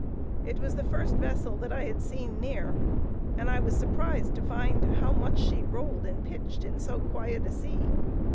It was the first vessel that I had seen near, and I was surprised to find how much she rolled and pitched in so quiet a sea.